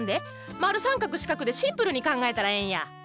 丸三角四角でシンプルに考えたらええんや。